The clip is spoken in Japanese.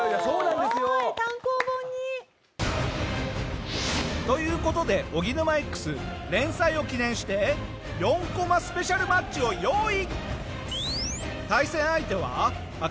単行本に。という事でおぎぬまＸ連載を記念して４コマスペシャルマッチを用意！